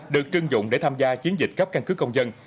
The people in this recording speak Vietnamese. được trưng dụng để tham gia chiến dịch cấp căn cứ công dân